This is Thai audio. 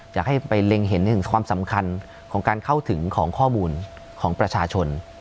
อยากให้ไปเล็งเห็นถึงความสำคัญของการเข้าถึงของข้อมูลของประชาชน